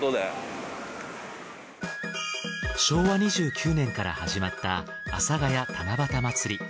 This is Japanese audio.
昭和２９年から始まった阿佐谷七夕まつり。